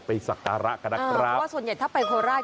สักการะกันนะครับเพราะว่าส่วนใหญ่ถ้าไปโคราช